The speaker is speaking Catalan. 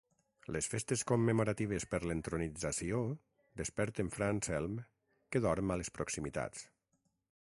Les festes commemoratives per l'entronització desperten Fra Anselm que dorm a les proximitats.